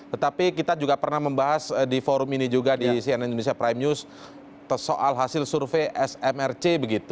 tetapi kita juga pernah membahas di forum ini juga di cnn indonesia prime news soal hasil survei smrc